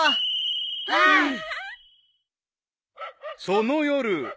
［その夜］